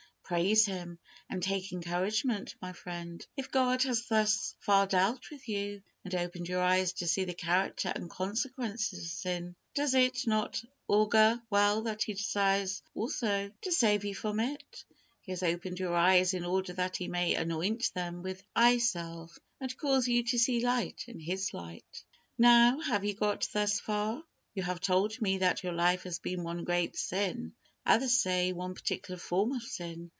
Praise Him, and take encouragement, my friend. If God has thus far dealt with you, and opened your eyes to see the character and consequences of sin, does it not augur well that He desires also to save you from it? He has opened your eyes in order that He may anoint them with eye salve, and cause you to see light in His light. Now, have you got thus far? You have told me that your life has been one great sin; others say, one particular form of sin.